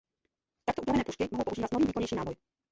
Takto upravené pušky mohou používat nový výkonnější náboj.